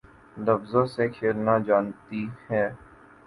لفظوں سے کھیلنا جانتی ہے